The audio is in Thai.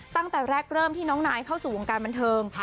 ตั้งแต่แรกเริ่มที่น้องนายเข้าสู่วงการบันเทิง